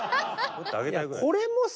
これもさ